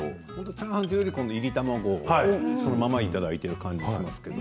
チャーハンというよりいり卵をそのままいただいてる感じしますけど。